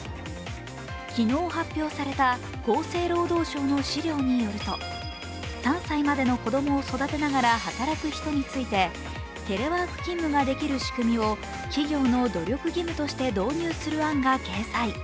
昨日、発表された厚生労働省の資料によると３歳までの子供を育てながら働く人についてテレワーク勤務ができる仕組みを企業の努力義務として導入する案が掲載。